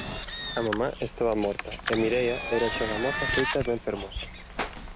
A mamá estaba morta e Mireia era xa unha moza feita e ben fermosa.